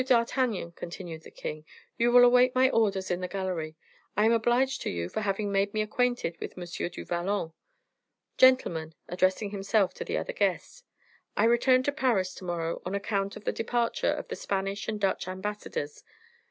d'Artagnan," continued the king, "you will await my orders in the gallery; I am obliged to you for having made me acquainted with M. du Vallon. Gentlemen," addressing himself to the other guests, "I return to Paris to morrow on account of the departure of the Spanish and Dutch ambassadors.